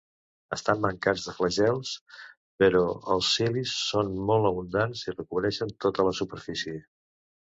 Estan mancats de flagels, però els cilis són molt abundants i recobreixen tota la superfície.